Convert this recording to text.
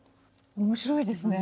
面白いですね。